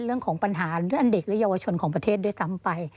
เรื่องของปัญหาเรื่องเด็กและเยาวชนของประเทศด้วยซ้ำไป